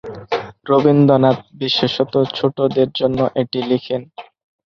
রবীন্দ্রনাথ বিশেষত ছোটদের জন্য এটি লিখেন।